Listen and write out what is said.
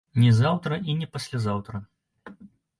Не заўтра і не паслязаўтра.